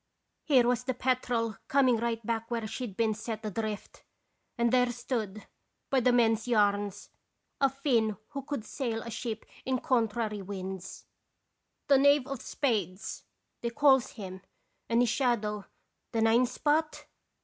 Here was the Petrel coming right back where she'd been set adrift, and there stood, by the men's yarns, a Finn who could sail a ship in contrary winds. 178 Qt radons thsitatian. "'The Knave of Spades/ they calls him, 'and his shadow, the Nine Spot?'